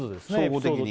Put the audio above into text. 総合的に？